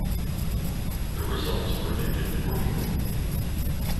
The results were amended accordingly.